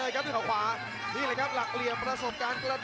จังหวาดึงซ้ายตายังดีอยู่ครับเพชรมงคล